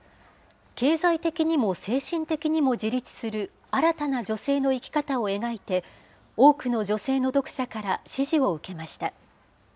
経済的にも精神的にも自立する、新たな女性の生き方を描いて、多くの女性の読者から支持を受けました。